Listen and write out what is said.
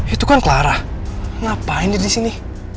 itu kan clara ngapain dia disini